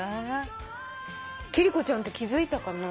貴理子ちゃんって気付いたかな？